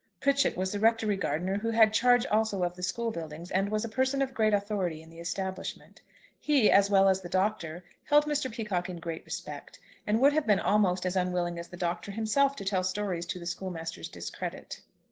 Pritchett was the rectory gardener who had charge also of the school buildings, and was a person of great authority in the establishment. He, as well the Doctor, held Mr. Peacocke in great respect, and would have been almost as unwilling as the Doctor himself to tell stories to the schoolmaster's discredit.